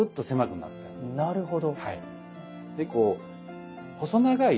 なるほど。